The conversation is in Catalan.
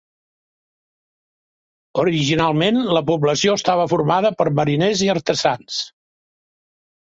Originalment, la població estava formada per mariners i artesans.